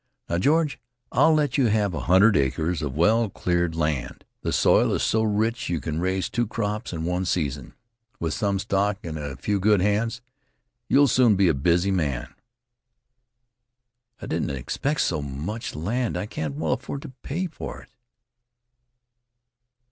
Now, George, I'll let you have a hundred acres of well cleared land. The soil is so rich you can raise two crops in one season. With some stock, and a few good hands, you'll soon be a busy man." "I didn't expect so much land; I can't well afford to pay for it."